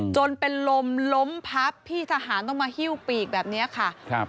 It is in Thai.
จนเป็นลมล้มพับพี่ทหารต้องมาหิ้วปีกแบบนี้ค่ะครับ